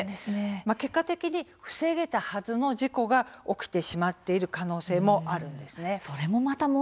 結果的に防げたはずの事故が起きてしまっている可能性もあるんです。